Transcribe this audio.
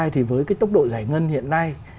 thì với cái tốc độ giải ngân hiện nay